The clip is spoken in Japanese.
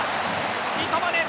三笘です。